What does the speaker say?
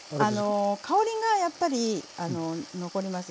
香りがやっぱり残ります。